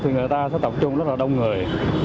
thì người ta sẽ tập trung rất là đông người